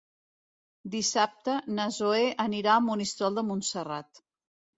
Dissabte na Zoè anirà a Monistrol de Montserrat.